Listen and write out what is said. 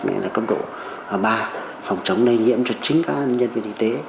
đấy là cấp độ ba phòng chống lây nhiễm cho chính các nhân viên y tế